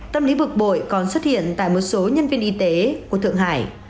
tâm lý bực bội còn xuất hiện tại một số nhân viên y tế của thượng hải